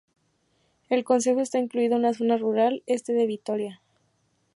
El concejo está incluido en la Zona Rural Este de Vitoria.